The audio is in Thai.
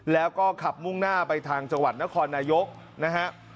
แล้วก็ขับมุ่งหน้าไปทางจังหวัดนครนายกนะฮะ